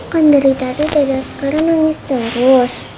kan dari tadi dada asgara nangis terus